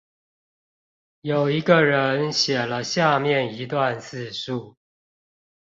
有一個人寫了下面一段自述